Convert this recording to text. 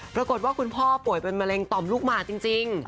ปรากฏว่าคุณพ่อป่วยเป็นมะเร็งต่อมลูกหมากจริง